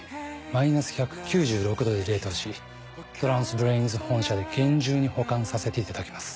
マイナス１９６℃で冷凍しトランスブレインズ本社で厳重に保管させていただきます。